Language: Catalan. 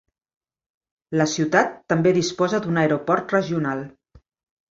La ciutat també disposa d'un aeroport regional.